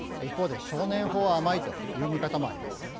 一方で、「少年法は甘い」という見方もあります。